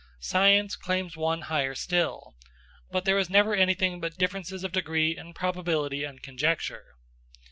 Science claims one higher still. But there is never anything but differences of degrees in probability and conjecture.